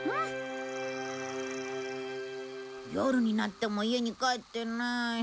夜になっても家に帰ってない。